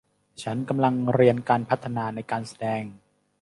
ฉันกำลังเรียนการพัฒนาในการแสดง